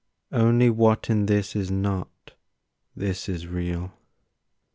Only what in this is not this is real.